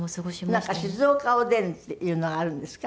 なんか静岡おでんっていうのがあるんですか？